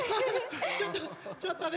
ちょっとちょっとね。